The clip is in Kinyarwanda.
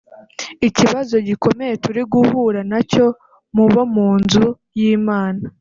Ikibazo gikomeye turi guhura nacyo mu bo mu nzu y’Imana